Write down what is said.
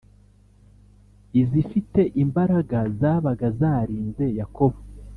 izifite imbaraga zabaga zarinze Yakobo